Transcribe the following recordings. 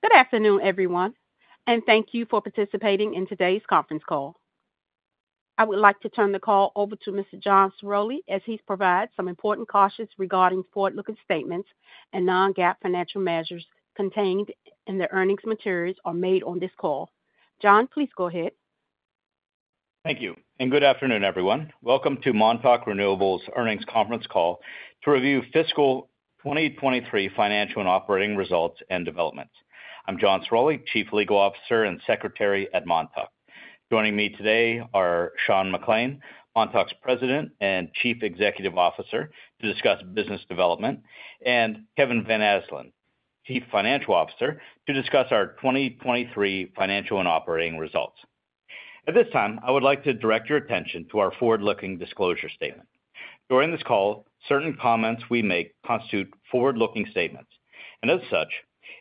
Good afternoon, everyone, and thank you for participating in today's conference call. I would like to turn the call over to Mr. John Ciroli, as he provides some important cautions regarding forward-looking statements and non-GAAP financial measures contained in the earnings materials or made on this call. John, please go ahead. Thank you, and good afternoon, everyone. Welcome to Montauk Renewables earnings conference call to review fiscal 2023 financial and operating results and developments. I'm John Ciroli, Chief Legal Officer and Secretary at Montauk. Joining me today are Sean McClain, Montauk's President and Chief Executive Officer, to discuss business development, and Kevin Van Asdalan, Chief Financial Officer, to discuss our 2023 financial and operating results. At this time, I would like to direct your attention to our forward-looking disclosure statement. During this call, certain comments we make constitute forward-looking statements, and as such,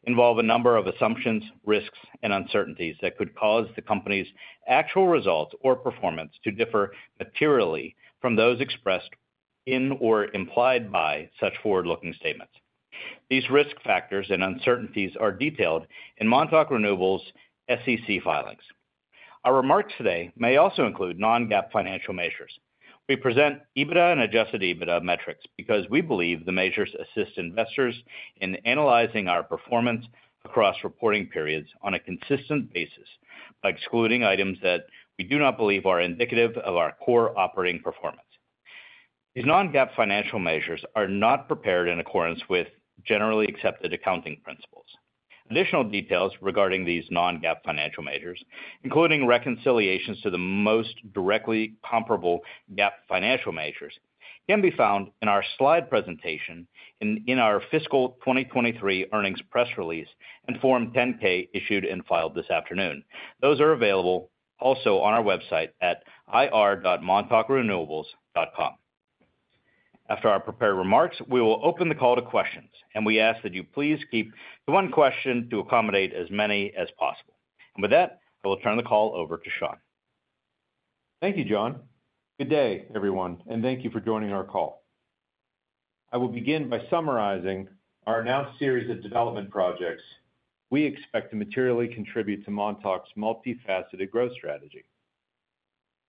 involve a number of assumptions, risks, and uncertainties that could cause the company's actual results or performance to differ materially from those expressed in or implied by such forward-looking statements. These risk factors and uncertainties are detailed in Montauk Renewables' SEC filings. Our remarks today may also include non-GAAP financial measures. We present EBITDA and adjusted EBITDA metrics because we believe the measures assist investors in analyzing our performance across reporting periods on a consistent basis by excluding items that we do not believe are indicative of our core operating performance. These non-GAAP financial measures are not prepared in accordance with generally accepted accounting principles. Additional details regarding these non-GAAP financial measures, including reconciliations to the most directly comparable GAAP financial measures, can be found in our slide presentation and in our fiscal 2023 earnings press release and Form 10-K issued and filed this afternoon. Those are available also on our website at ir.montaukrenewables.com. After our prepared remarks, we will open the call to questions, and we ask that you please keep to one question to accommodate as many as possible. With that, I will turn the call over to Sean. Thank you, John. Good day, everyone, and thank you for joining our call. I will begin by summarizing our announced series of development projects we expect to materially contribute to Montauk's multifaceted growth strategy.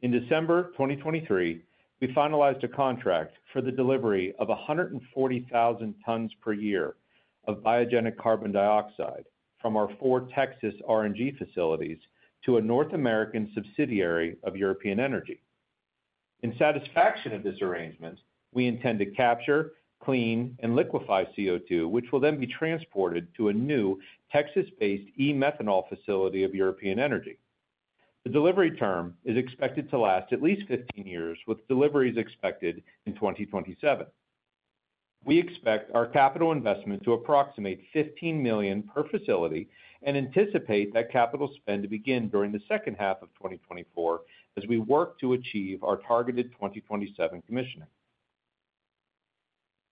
In December 2023, we finalized a contract for the delivery of 140,000 tons per year of biogenic carbon dioxide from our four Texas RNG facilities to a North American subsidiary of European Energy. In satisfaction of this arrangement, we intend to capture, clean, and liquefy CO2, which will then be transported to a new Texas-based e-methanol facility of European Energy. The delivery term is expected to last at least 15 years, with deliveries expected in 2027. We expect our capital investment to approximate $15 million per facility and anticipate that capital spend to begin during the second half of 2024 as we work to achieve our targeted 2027 commissioning.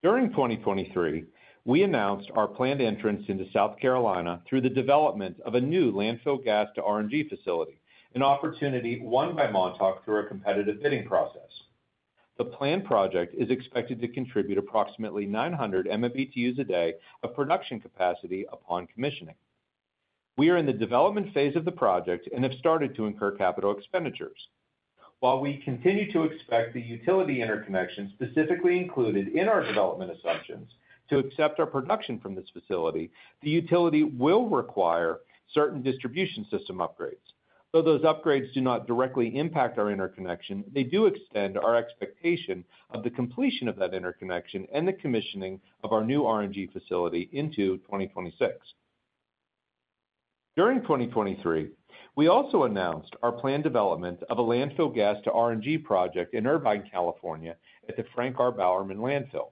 During 2023, we announced our planned entrance into South Carolina through the development of a new landfill gas to RNG facility, an opportunity won by Montauk through a competitive bidding process. The planned project is expected to contribute approximately 900 MMBtu a day of production capacity upon commissioning. We are in the development phase of the project and have started to incur capital expenditures. While we continue to expect the utility interconnection specifically included in our development assumptions to accept our production from this facility, the utility will require certain distribution system upgrades. Though those upgrades do not directly impact our interconnection, they do extend our expectation of the completion of that interconnection and the commissioning of our new RNG facility into 2026. During 2023, we also announced our planned development of a landfill gas to RNG project in Irvine, California, at the Frank R. Bowerman Landfill.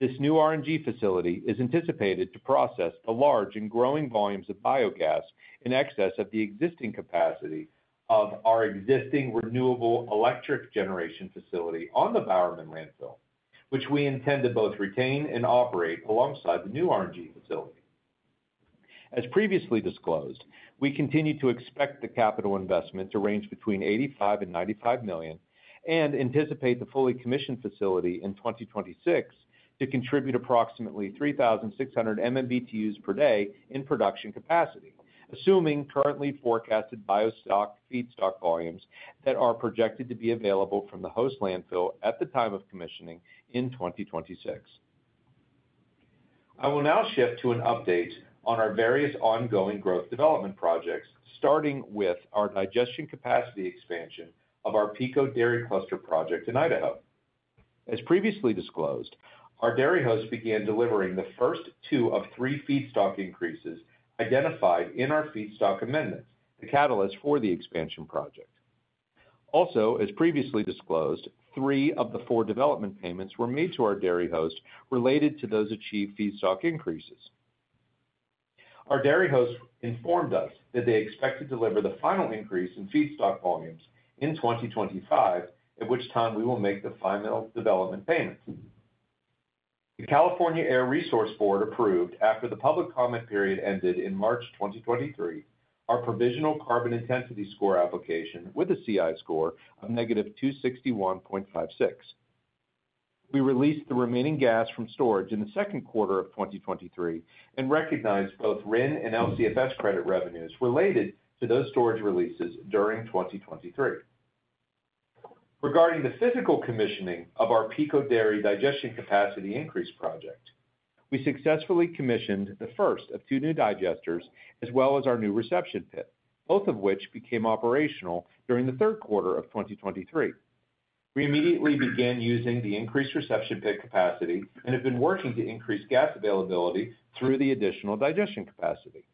Bowerman Landfill. This new RNG facility is anticipated to process the large and growing volumes of biogas in excess of the existing capacity of our existing renewable electric generation facility on the Bowerman Landfill, which we intend to both retain and operate alongside the new RNG facility. As previously disclosed, we continue to expect the capital investment to range between $85 million-$95 million and anticipate the fully commissioned facility in 2026 to contribute approximately 3,600 MMBtu per day in production capacity, assuming currently forecasted biostock feedstock volumes that are projected to be available from the host landfill at the time of commissioning in 2026. I will now shift to an update on our various ongoing growth development projects, starting with our digestion capacity expansion of our Pico Dairy Cluster project in Idaho. As previously disclosed, our dairy host began delivering the first two of three feedstock increases identified in our feedstock amendment, the catalyst for the expansion project. Also, as previously disclosed, three of the four development payments were made to our dairy host related to those achieved feedstock increases. Our dairy host informed us that they expect to deliver the final increase in feedstock volumes in 2025, at which time we will make the final development payment. The California Air Resources Board approved, after the public comment period ended in March 2023, our provisional carbon intensity score application with a CI score of -261.56. We released the remaining gas from storage in the second quarter of 2023, and recognized both RIN and LCFS credit revenues related to those storage releases during 2023. Regarding the physical commissioning of our Pico Dairy digestion capacity increase project, we successfully commissioned the first of two new digesters, as well as our new reception pit, both of which became operational during the third quarter of 2023. We immediately began using the increased reception pit capacity and have been working to increase gas availability through the additional digestion capacity.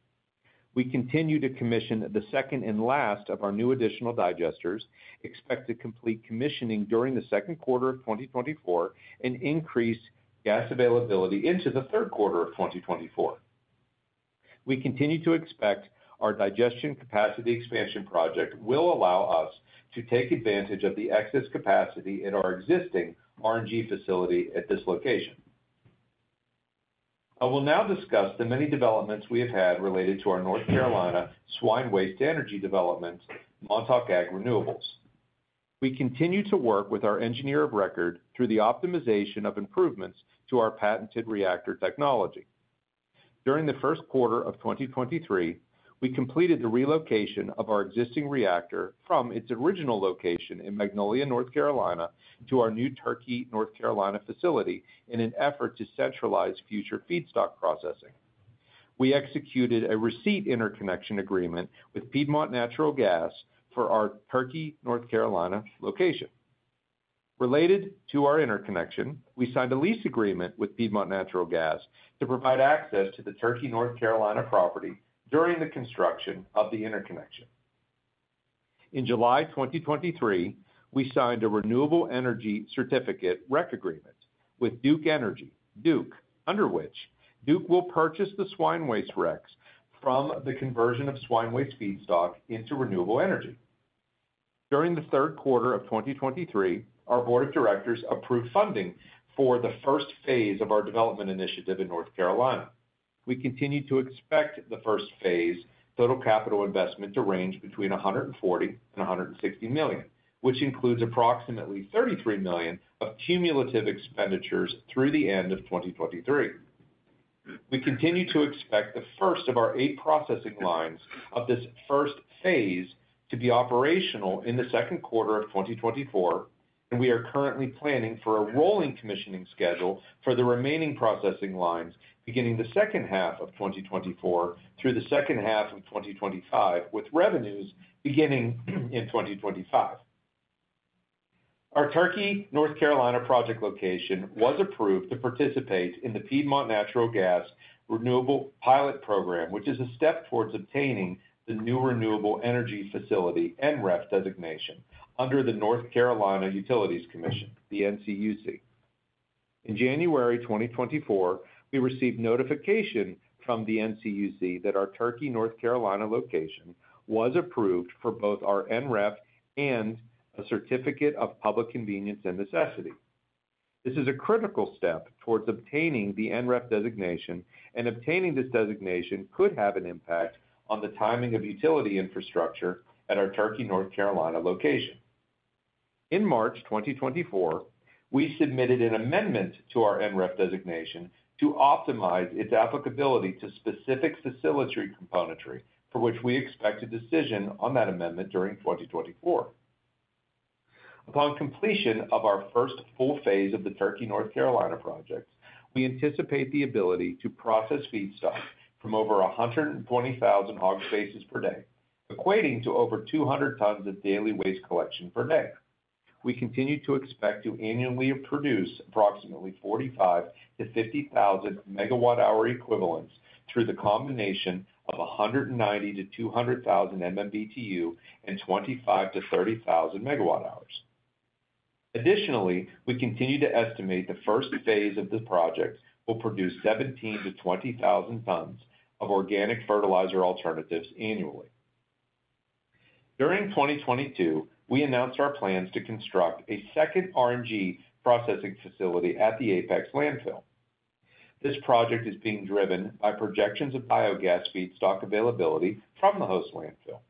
We continue to commission the second and last of our new additional digesters, expect to complete commissioning during the second quarter of 2024, and increase gas availability into the third quarter of 2024. We continue to expect our digestion capacity expansion project will allow us to take advantage of the excess capacity in our existing RNG facility at this location. I will now discuss the many developments we have had related to our North Carolina swine waste energy development, Montauk Ag Renewables. We continue to work with our engineer of record through the optimization of improvements to our patented reactor technology. During the first quarter of 2023, we completed the relocation of our existing reactor from its original location in Magnolia, North Carolina, to our new Turkey, North Carolina facility, in an effort to centralize future feedstock processing. We executed a receipt interconnection agreement with Piedmont Natural Gas for our Turkey, North Carolina, location. Related to our interconnection, we signed a lease agreement with Piedmont Natural Gas to provide access to the Turkey, North Carolina, property during the construction of the interconnection. In July 2023, we signed a Renewable Energy Certificate, REC agreement, with Duke Energy, Duke, under which Duke will purchase the swine waste RECs from the conversion of swine waste feedstock into renewable energy. During the third quarter of 2023, our board of directors approved funding for the first phase of our development initiative in North Carolina. We continue to expect the first phase total capital investment to range between $140 million and $160 million, which includes approximately $33 million of cumulative expenditures through the end of 2023. We continue to expect the first of our 8 processing lines of this first phase to be operational in the second quarter of 2024, and we are currently planning for a rolling commissioning schedule for the remaining processing lines, beginning the second half of 2024 through the second half of 2025, with revenues beginning in 2025. Our Turkey, North Carolina, project location was approved to participate in the Piedmont Natural Gas Renewable Pilot Program, which is a step towards obtaining the new renewable energy facility, NREF designation, under the North Carolina Utilities Commission, the NCUC. In January 2024, we received notification from the NCUC that our Turkey, North Carolina, location was approved for both our NREF and a certificate of public convenience and necessity. This is a critical step towards obtaining the NREF designation, and obtaining this designation could have an impact on the timing of utility infrastructure at our Turkey, North Carolina, location. In March 2024, we submitted an amendment to our NREF designation to optimize its applicability to specific facility componentry, for which we expect a decision on that amendment during 2024. Upon completion of our first full phase of the Turkey, North Carolina, projects, we anticipate the ability to process feedstock from over 120,000 hog spaces per day, equating to over 200 tons of daily waste collection per day. We continue to expect to annually produce approximately 45,000-50,000 MWh equivalents through the combination of 190,000-200,000 MMBtu and 25,000-30,000 MWh. Additionally, we continue to estimate the first phase of this project will produce 17,000-20,000 tons of organic fertilizer alternatives annually. During 2022, we announced our plans to construct a second RNG processing facility at the Apex Landfill. This project is being driven by projections of biogas feedstock availability from the host landfill.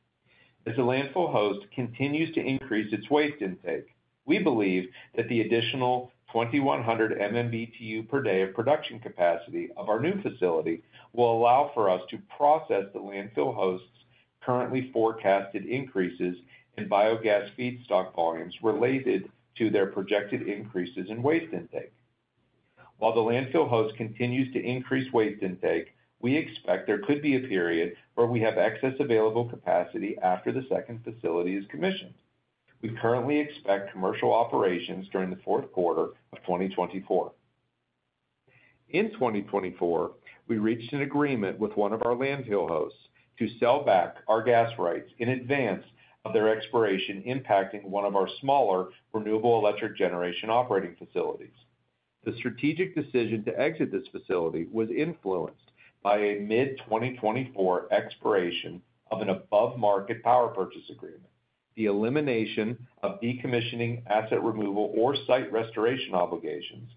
As the landfill host continues to increase its waste intake, we believe that the additional 2,100 MMBtu per day of production capacity of our new facility will allow for us to process the landfill host's currently forecasted increases in biogas feedstock volumes related to their projected increases in waste intake. While the landfill host continues to increase waste intake, we expect there could be a period where we have excess available capacity after the second facility is commissioned. We currently expect commercial operations during the fourth quarter of 2024. In 2024, we reached an agreement with one of our landfill hosts to sell back our gas rights in advance of their expiration, impacting one of our smaller renewable electric generation operating facilities. The strategic decision to exit this facility was influenced by a mid-2024 expiration of an above-market power purchase agreement, the elimination of decommissioning, asset removal or site restoration obligations,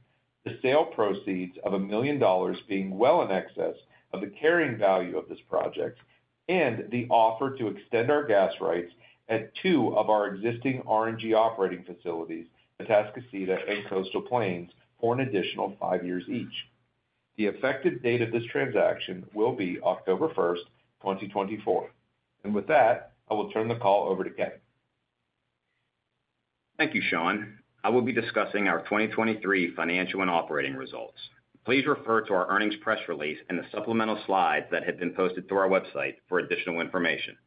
the sale proceeds of $1 million being well in excess of the carrying value of this project, and the offer to extend our gas rights at 2 of our existing RNG operating facilities, Atascocita and Coastal Plains, for an additional 5 years each. The effective date of this transaction will be October 1, 2024. And with that, I will turn the call over to Kevin. Thank you, Sean. I will be discussing our 2023 financial and operating results. Please refer to our earnings press release and the supplemental slides that have been posted to our website for additional information.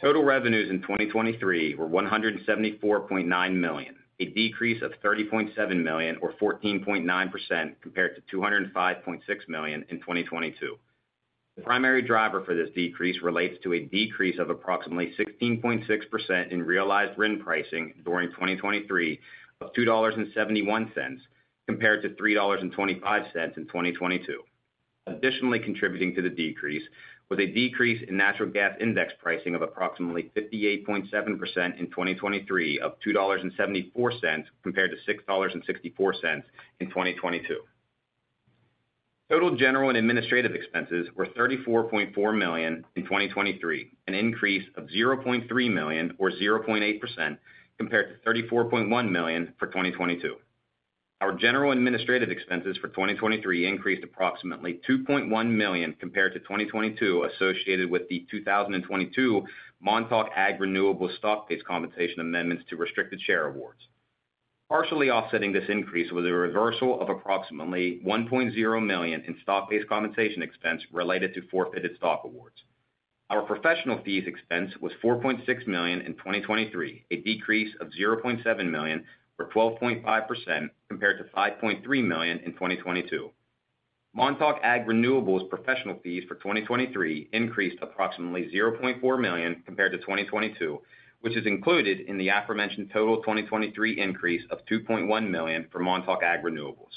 Total revenues in 2023 were $174.9 million, a decrease of $30.7 million, or 14.9%, compared to $205.6 million in 2022. The primary driver for this decrease relates to a decrease of approximately 16.6% in realized RIN pricing during 2023 of $2.71, compared to $3.25 in 2022. Additionally, contributing to the decrease, with a decrease in natural gas index pricing of approximately 58.7% in 2023 of $2.74, compared to $6.64 in 2022. Total general and administrative expenses were $34.4 million in 2023, an increase of $0.3 million, or 0.8%, compared to $34.1 million for 2022. Our general administrative expenses for 2023 increased approximately $2.1 million compared to 2022, associated with the 2022 Montauk Ag Renewables stock-based compensation amendments to restricted share awards. Partially offsetting this increase was a reversal of approximately $1.0 million in stock-based compensation expense related to forfeited stock awards. Our professional fees expense was $4.6 million in 2023, a decrease of $0.7 million, or 12.5%, compared to $5.3 million in 2022. Montauk Ag Renewables professional fees for 2023 increased approximately $0.4 million compared to 2022, which is included in the aforementioned total 2023 increase of $2.1 million for Montauk Ag Renewables.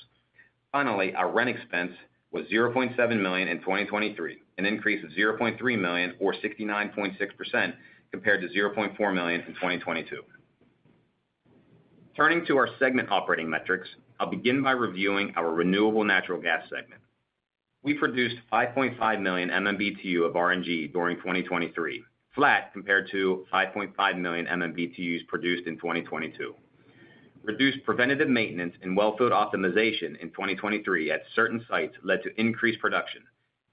Finally, our RIN expense was $0.7 million in 2023, an increase of $0.3 million, or 69.6%, compared to $0.4 million in 2022. Turning to our segment operating metrics, I'll begin by reviewing our renewable natural gas segment. We produced 5.5 million MMBtu of RNG during 2023, flat compared to 5.5 million MMBtus produced in 2022. Reduced preventative maintenance and wellfield optimization in 2023 at certain sites led to increased production,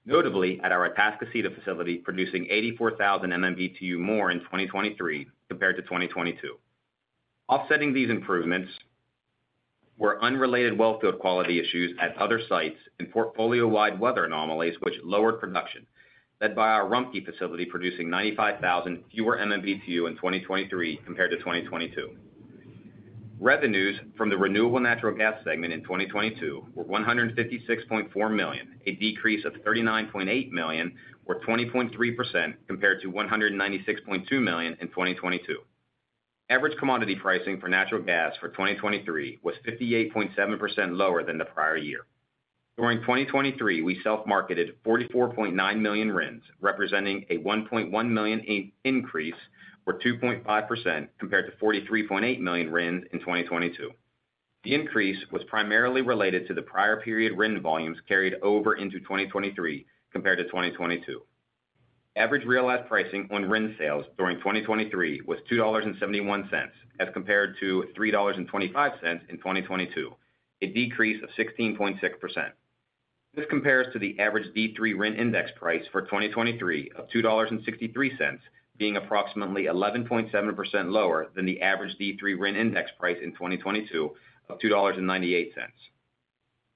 notably at our Atascocita facility, producing 84,000 MMBtu more in 2023 compared to 2022. Offsetting these improvements were unrelated wellfield quality issues at other sites and portfolio-wide weather anomalies, which lowered production, led by our Rumpke facility, producing 95,000 fewer MMBtu in 2023 compared to 2022. Revenues from the renewable natural gas segment in 2022 were $156.4 million, a decrease of $39.8 million, or 20.3%, compared to $196.2 million in 2022. Average commodity pricing for natural gas for 2023 was 58.7% lower than the prior year. During 2023, we self-marketed 44.9 million RINs, representing a 1.1 million increase, or 2.5%, compared to 43.8 million RINs in 2022. The increase was primarily related to the prior period RIN volumes carried over into 2023 compared to 2022. Average realized pricing on RIN sales during 2023 was $2.71, as compared to $3.25 in 2022, a decrease of 16.6%. This compares to the average D3 RIN index price for 2023 of $2.63, being approximately 11.7% lower than the average D3 RIN index price in 2022 of $2.98.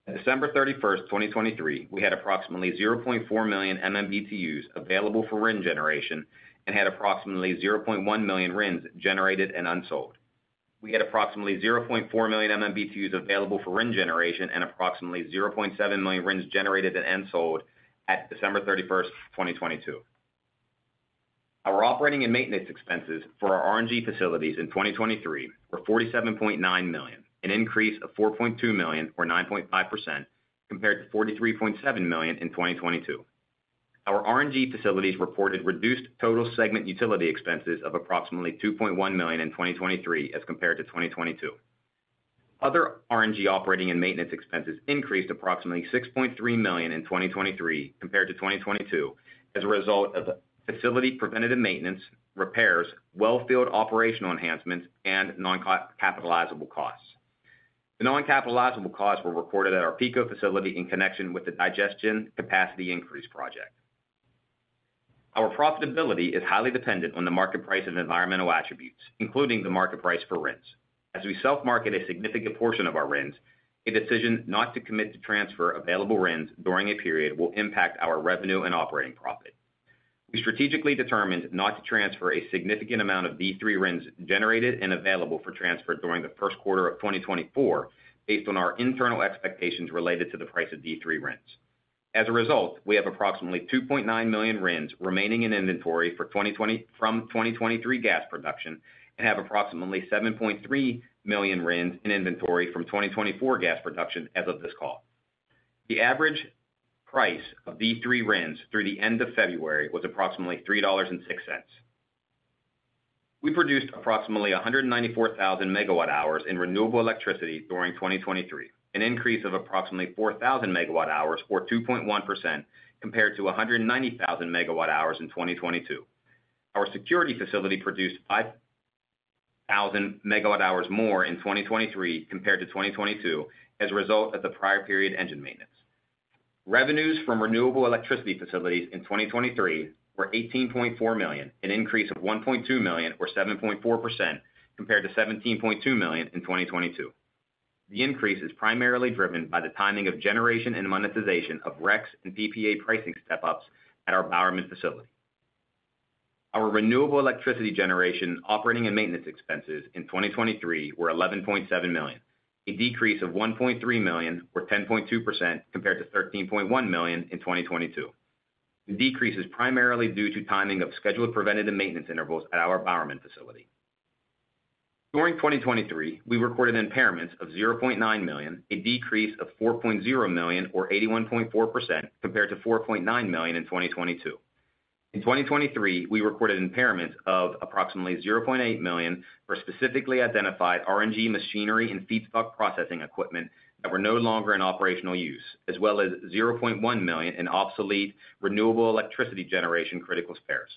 On December 31, 2023, we had approximately 0.4 million MMBtus available for RIN generation and had approximately 0.1 million RINs generated and unsold. We had approximately 0.4 million MMBtus available for RIN generation and approximately 0.7 million RINs generated and unsold at December 31, 2022. Our operating and maintenance expenses for our RNG facilities in 2023 were $47.9 million, an increase of $4.2 million, or 9.5%, compared to $43.7 million in 2022. Our RNG facilities reported reduced total segment utility expenses of approximately $2.1 million in 2023 as compared to 2022. Other RNG operating and maintenance expenses increased approximately $6.3 million in 2023 compared to 2022, as a result of facility preventative maintenance, repairs, wellfield operational enhancements, and non-capitalizable costs. The non-capitalizable costs were reported at our Pico facility in connection with the digestion capacity increase project. Our profitability is highly dependent on the market price and environmental attributes, including the market price for RINs. As we self-market a significant portion of our RINs, a decision not to commit to transfer available RINs during a period will impact our revenue and operating profit. We strategically determined not to transfer a significant amount of D3 RINs generated and available for transfer during the first quarter of 2024, based on our internal expectations related to the price of D3 RINs. As a result, we have approximately 2.9 million RINs remaining in inventory from 2023 gas production and have approximately 7.3 million RINs in inventory from 2024 gas production as of this call. The average price of these D3 RINs through the end of February was approximately $3.06. We produced approximately 194,000 MWh in renewable electricity during 2023, an increase of approximately 4,000 MWh or 2.1%, compared to 190,000 MWh in 2022. Our security facility produced 5,000 MWh more in 2023 compared to 2022, as a result of the prior period engine maintenance. Revenues from renewable electricity facilities in 2023 were $18.4 million, an increase of $1.2 million, or 7.4%, compared to $17.2 million in 2022. The increase is primarily driven by the timing of generation and monetization of RECs and PPA pricing step-ups at our Bowerman facility. Our renewable electricity generation operating and maintenance expenses in 2023 were $11.7 million, a decrease of $1.3 million, or 10.2%, compared to $13.1 million in 2022. The decrease is primarily due to timing of scheduled preventative maintenance intervals at our Bowerman facility. During 2023, we recorded impairments of $0.9 million, a decrease of $4.0 million or 81.4% compared to $4.9 million in 2022. In 2023, we recorded impairments of approximately $0.8 million for specifically identified RNG machinery and feedstock processing equipment that were no longer in operational use, as well as $0.1 million in obsolete, renewable electricity generation critical spares.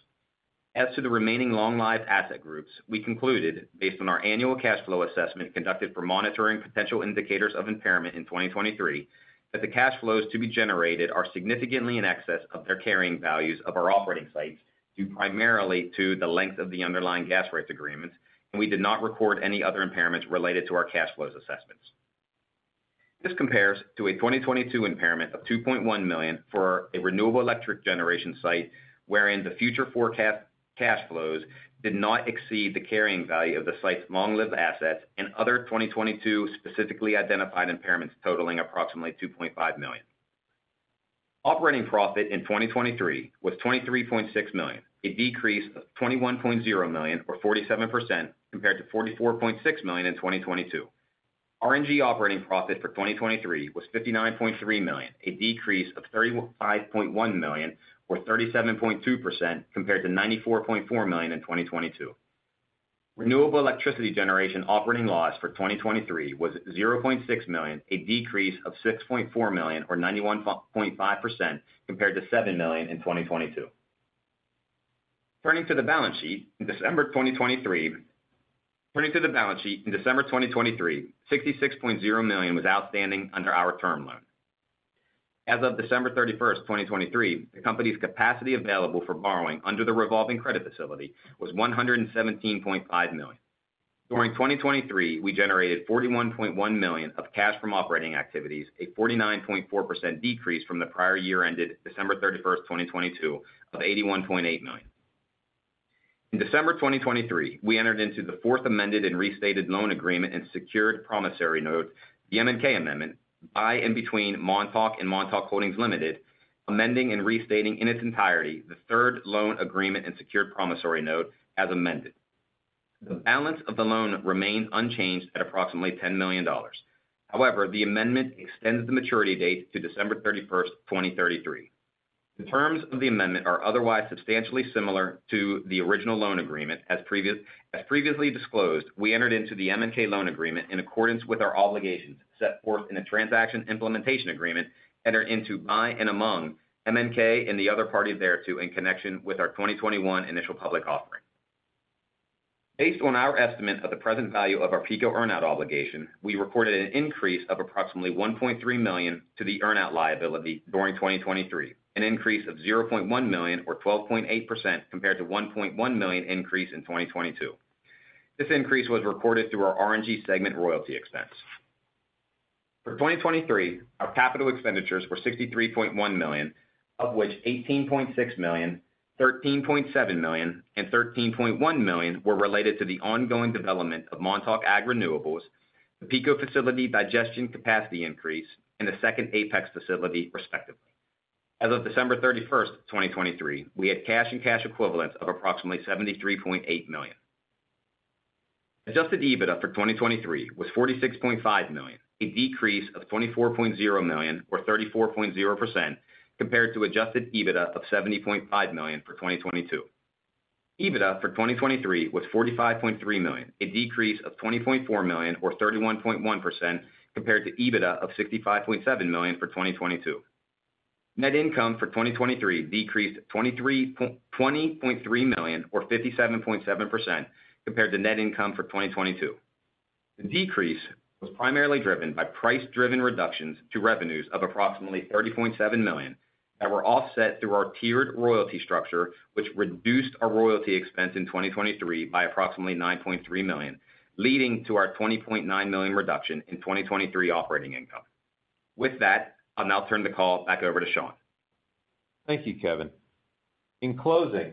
As to the remaining long-lived asset groups, we concluded, based on our annual cash flow assessment conducted for monitoring potential indicators of impairment in 2023, that the cash flows to be generated are significantly in excess of their carrying values of our operating sites, due primarily to the length of the underlying gas rates agreements, and we did not record any other impairments related to our cash flows assessments. This compares to a 2022 impairment of $2.1 million for a renewable electric generation site, wherein the future forecast cash flows did not exceed the carrying value of the site's long-lived assets and other 2022 specifically identified impairments totaling approximately $2.5 million. Operating profit in 2023 was $23.6 million, a decrease of $21.0 million, or 47%, compared to $44.6 million in 2022. RNG operating profit for 2023 was $59.3 million, a decrease of $35.1 million, or 37.2%, compared to $94.4 million in 2022. Renewable electricity generation operating loss for 2023 was $0.6 million, a decrease of $6.4 million or 91.5% compared to $7 million in 2022. Turning to the balance sheet in December 2023, $66.0 million was outstanding under our term loan. As of December 31, 2023, the company's capacity available for borrowing under the revolving credit facility was $117.5 million. During 2023, we generated $41.1 million of cash from operating activities, a 49.4% decrease from the prior year ended December 31, 2022 of $81.8 million. In December 2023, we entered into the fourth amended and restated loan agreement and secured promissory note, the MNK amendment, by and between Montauk and Montauk Holdings, Limited, amending and restating in its entirety, the third loan agreement and secured promissory note as amended. The balance of the loan remains unchanged at approximately $10 million. However, the amendment extends the maturity date to December 31, 2033. The terms of the amendment are otherwise substantially similar to the original loan agreement. As previously disclosed, we entered into the MNK loan agreement in accordance with our obligations set forth in a transaction implementation agreement, entered into by and among MNK and the other party thereto in connection with our 2021 initial public offering. Based on our estimate of the present value of our PICO earn-out obligation, we recorded an increase of approximately $1.3 million to the earn-out liability during 2023, an increase of $0.1 million, or 12.8%, compared to $1.1 million increase in 2022. This increase was recorded through our RNG segment royalty expense. For 2023, our capital expenditures were $63.1 million, of which $18.6 million, $13.7 million, and $13.1 million were related to the ongoing development of Montauk Ag Renewables, the Pico facility digestion capacity increase, and the second Apex facility, respectively. As of December 31, 2023, we had cash and cash equivalents of approximately $73.8 million. Adjusted EBITDA for 2023 was $46.5 million, a decrease of $24.0 million or 34.0%, compared to adjusted EBITDA of $70.5 million for 2022. EBITDA for 2023 was $45.3 million, a decrease of $20.4 million or 31.1%, compared to EBITDA of $65.7 million for 2022. Net income for 2023 decreased $20.3 million, or 57.7%, compared to net income for 2022. The decrease was primarily driven by price-driven reductions to revenues of approximately $30.7 million that were offset through our tiered royalty structure, which reduced our royalty expense in 2023 by approximately $9.3 million, leading to our $20.9 million reduction in 2023 operating income. With that, I'll now turn the call back over to Sean. Thank you, Kevin. In closing,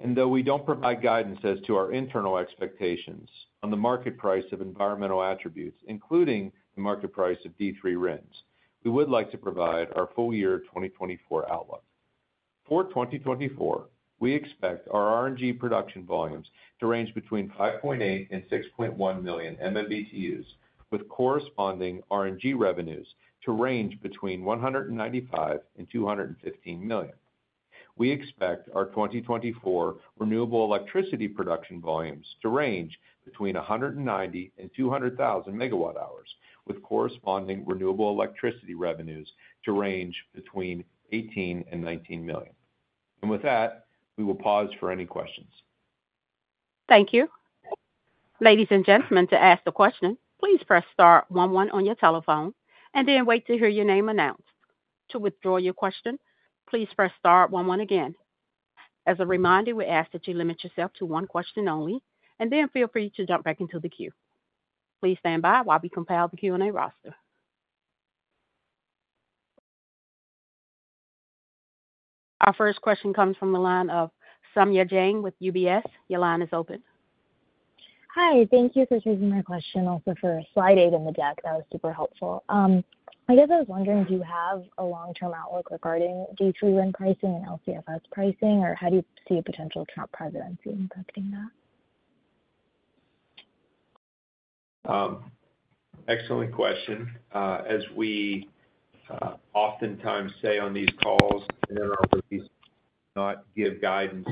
and though we don't provide guidance as to our internal expectations on the market price of environmental attributes, including the market price of D3 RINs, we would like to provide our full year 2024 outlook. For 2024, we expect our RNG production volumes to range between 5.8 and 6.1 million MMBtus, with corresponding RNG revenues to range between $195 million and $215 million.... we expect our 2024 renewable electricity production volumes to range between 190,000 and 200,000 MWh, with corresponding renewable electricity revenues to range between $18 million and $19 million. And with that, we will pause for any questions. Thank you. Ladies and gentlemen, to ask a question, please press star one one on your telephone and then wait to hear your name announced. To withdraw your question, please press star one one again. As a reminder, we ask that you limit yourself to one question only and then feel free to jump back into the queue. Please stand by while we compile the Q&A roster. Our first question comes from the line of Saumya Jain with UBS. Your line is open. Hi, thank you for taking my question, also for slide 8 in the deck. That was super helpful. I guess I was wondering, do you have a long-term outlook regarding D3 RIN pricing and LCFS pricing, or how do you see a potential Trump presidency impacting that? Excellent question. As we oftentimes say on these calls, in our release, not give guidance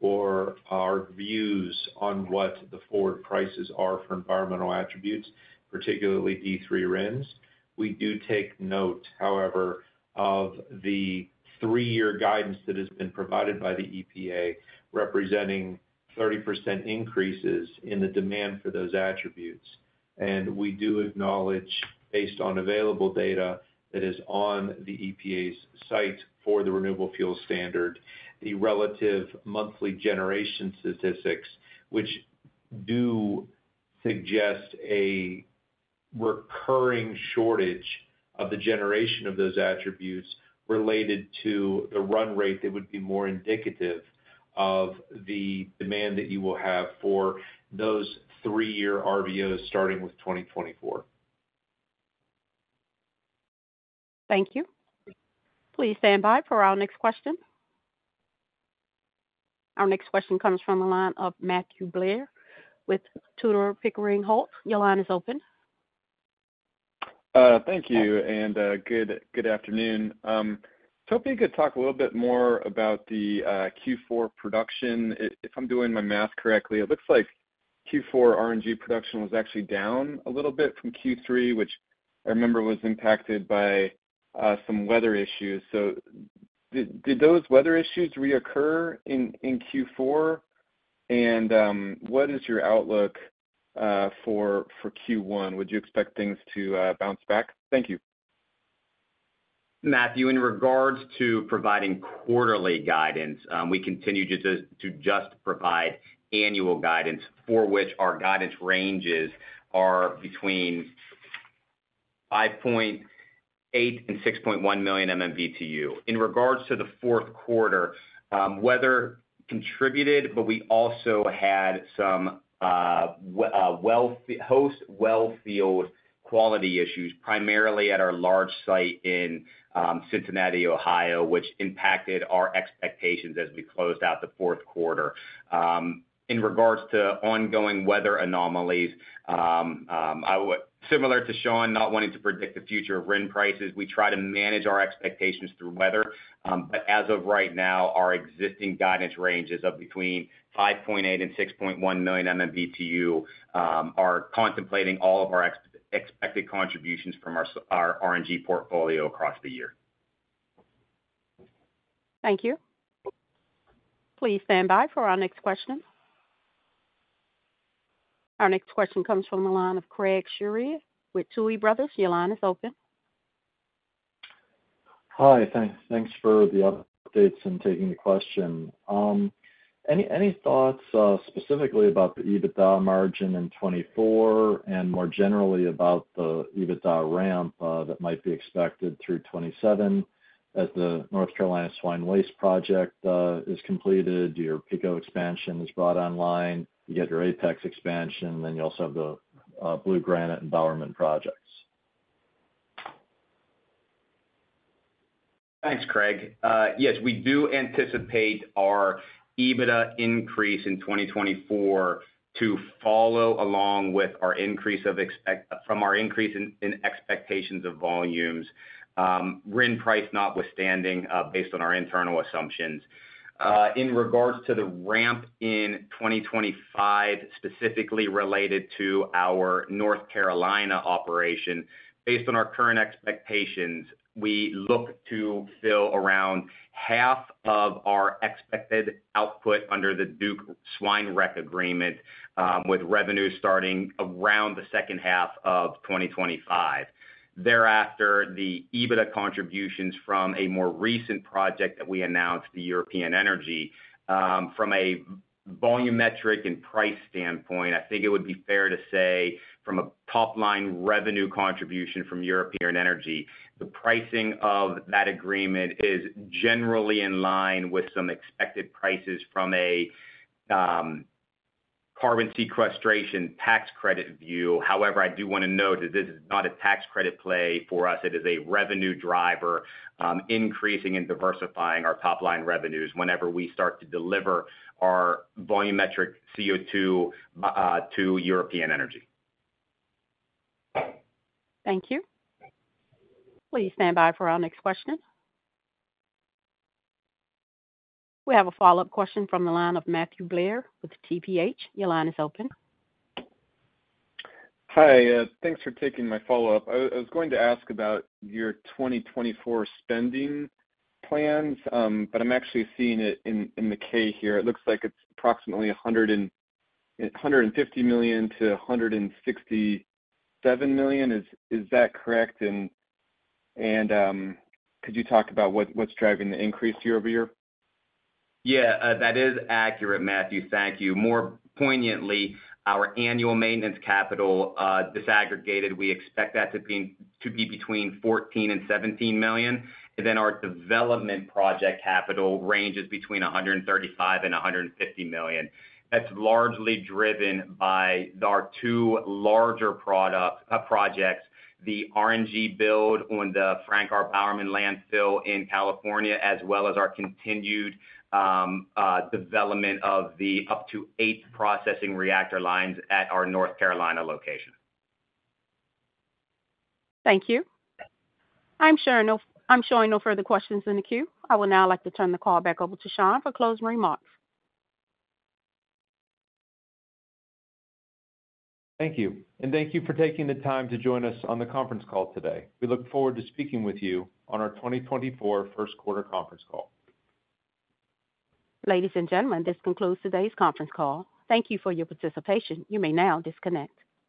or our views on what the forward prices are for environmental attributes, particularly D3 RINs. We do take note, however, of the three-year guidance that has been provided by the EPA, representing 30% increases in the demand for those attributes. And we do acknowledge, based on available data, that is on the EPA's site for the Renewable Fuel Standard, the relative monthly generation statistics, which do suggest a recurring shortage of the generation of those attributes related to the run rate that would be more indicative of the demand that you will have for those three-year RINs, starting with 2024. Thank you. Please stand by for our next question. Our next question comes from the line of Matthew Blair with Tudor, Pickering, Holt & Co. Your line is open. Thank you, and good afternoon. So if you could talk a little bit more about the Q4 production. If I'm doing my math correctly, it looks like Q4 RNG production was actually down a little bit from Q3, which I remember was impacted by some weather issues. So did those weather issues reoccur in Q4? And what is your outlook for Q1? Would you expect things to bounce back? Thank you. Matthew, in regards to providing quarterly guidance, we continue to just provide annual guidance for which our guidance ranges are between 5.8 and 6.1 million MMBtu. In regards to the fourth quarter, weather contributed, but we also had some wellfield quality issues, primarily at our large site in Cincinnati, Ohio, which impacted our expectations as we closed out the fourth quarter. In regards to ongoing weather anomalies, I would—similar to Sean, not wanting to predict the future of RIN prices, we try to manage our expectations through weather. But as of right now, our existing guidance ranges of between 5.8 and 6.1 million MMBtu are contemplating all of our expected contributions from our RNG portfolio across the year. Thank you. Please stand by for our next question. Our next question comes from the line of Craig Shere with Tuohy Brothers. Your line is open. Hi, thanks. Thanks for the updates and taking the question. Any thoughts, specifically about the EBITDA margin in 2024 and more generally about the EBITDA ramp that might be expected through 2027, as the North Carolina swine waste project is completed, your Pico expansion is brought online, you get your Apex expansion, then you also have the Blue Granite and Bowerman projects? Thanks, Craig. Yes, we do anticipate our EBITDA increase in 2024 to follow along with our increase in expectations of volumes, RIN price notwithstanding, based on our internal assumptions. In regards to the ramp in 2025, specifically related to our North Carolina operation, based on our current expectations, we look to fill around half of our expected output under the Duke swine REC agreement, with revenue starting around the second half of 2025. Thereafter, the EBITDA contributions from a more recent project that we announced, the European Energy, from a volumetric and price standpoint, I think it would be fair to say from a top-line revenue contribution from European Energy, the pricing of that agreement is generally in line with some expected prices from a carbon sequestration tax credit view. However, I do want to note that this is not a tax credit play for us. It is a revenue driver, increasing and diversifying our top-line revenues whenever we start to deliver our volumetric CO2 to European Energy. Thank you. Please stand by for our next question. We have a follow-up question from the line of Matthew Blair with TPH. Your line is open. Hi, thanks for taking my follow-up. I was going to ask about your 2024 spending plans, but I'm actually seeing it in the K here. It looks like it's approximately $150 million-$167 million. Is that correct? Could you talk about what's driving the increase year over year? Yeah, that is accurate, Matthew. Thank you. More poignantly, our annual maintenance capital, disaggregated, we expect that to be between $14 million and $17 million. Then our development project capital ranges between $135 million and $150 million. That's largely driven by our two larger products, projects, the RNG build on the Frank R. Bowerman Landfill in California, as well as our continued development of the up to eight processing reactor lines at our North Carolina location. Thank you. I'm sure. No, I'm showing no further questions in the queue. I would now like to turn the call back over to Sean for closing remarks. Thank you, and thank you for taking the time to join us on the conference call today. We look forward to speaking with you on our 2024 first quarter conference call. Ladies and gentlemen, this concludes today's conference call. Thank you for your participation. You may now disconnect.